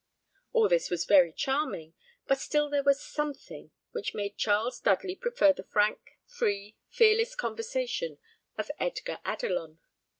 All this was very charming, but still there was something which made Charles Dudley prefer the frank, free, fearless conversation of Edgar Adelon.